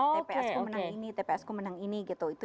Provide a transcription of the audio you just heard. tps ku menang ini tps ku menang ini gitu